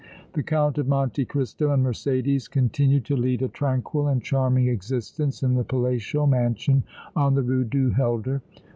The Count of Monte Cristo and Mercédès continued to lead a tranquil and charming existence in the palatial mansion on the Rue du Helder.